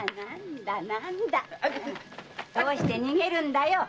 どうして逃げるんだよ！